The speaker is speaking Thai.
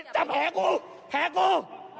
จับแผลกูแผลกู